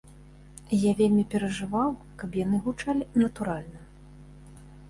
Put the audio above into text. Я вельмі перажываў, каб яны гучалі натуральна.